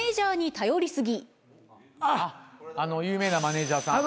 あの有名なマネジャーさん。